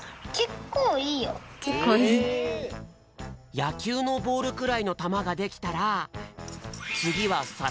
やきゅうのボールくらいのたまができたらつぎはサラサラのすなあつめ。